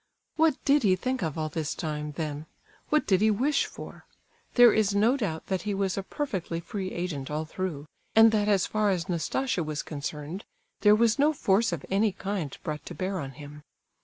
What did he think of all this time, then? What did he wish for? There is no doubt that he was a perfectly free agent all through, and that as far as Nastasia was concerned, there was no force of any kind brought to bear on him.